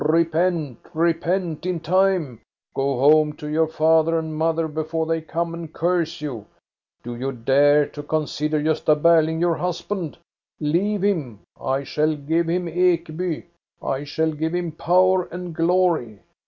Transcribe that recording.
" Repent, re pent in time ! Go home to your father and mother, before they come and curse you. Do you dare to consider Gosta Berling your husband ? Leave him ! I shall give him Ekeby. I shall give him power and glory.